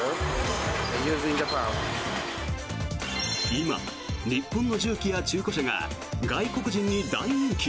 今、日本の重機や中古車が外国人に大人気。